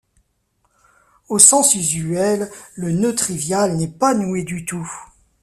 Au sens usuel, le nœud trivial n'est pas noué du tout.